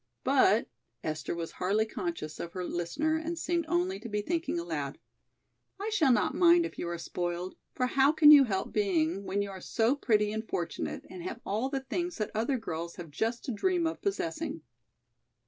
But," Esther was hardly conscious of her listener and seemed only to be thinking aloud, "I shall not mind if you are spoiled, for how can you help being when you are so pretty and fortunate and have all the things that other girls have just to dream of possessing."